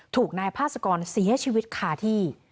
ถูกนายพาสกรเสียชีวิตคาที่